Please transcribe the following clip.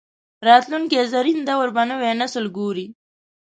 راتلونکي زرین دور به نوی نسل ګوري